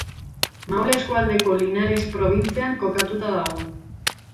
Maule eskualdeko Linares probintzian kokatuta dago.